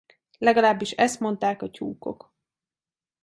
Legalábbis ezt mondták a tyúkok.